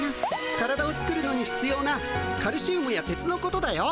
体を作るのにひつようなカルシウムや鉄のことだよ。